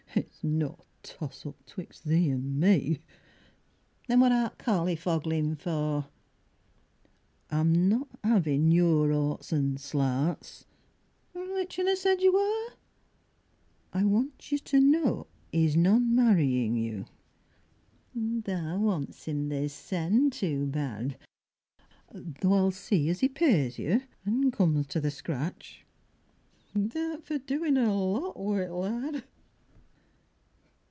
It's no toss up 'twixt thee an' me. Then what art colleyfoglin' for? I'm not havin' your orts an' slarts. Which on us said you wor? I want you to know 'e's non marryin' you. Tha wants 'im thy sen too bad. Though I'll see as 'e pays you, an' comes to the scratch. Tha'rt for doin' a lot wi' th' lad.